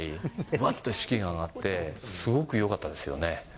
わっとしきが上がって、すごくよかったですよね。